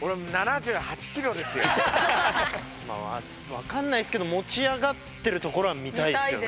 分かんないですけど持ち上がってるところは見たいですね。